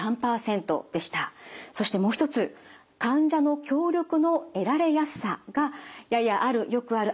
そしてもう一つ患者の協力の得られやすさが「ややある」「よくある」